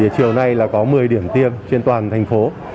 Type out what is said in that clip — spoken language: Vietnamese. chiều nay là có một mươi điểm tiêm trên toàn thành phố